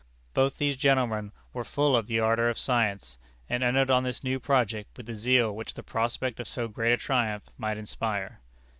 Both these gentlemen were full of the ardor of science, and entered on this new project with the zeal which the prospect of so great a triumph might inspire.